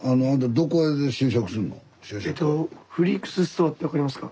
えとフリークスストアって分かりますか？